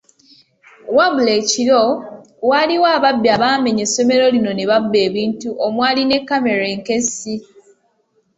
Wabula ekiro waaliwo ababbi abaamenya essomero lino ne babba ebintu omwali ne kkamera enkessi.